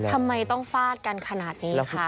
ทำไมต้องฟาดกันขนาดนี้คะ